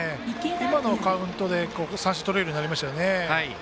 今のカウントで三振とれるようになりましたよね。